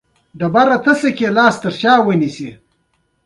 ګیلاس د باران شپه نرمه کوي.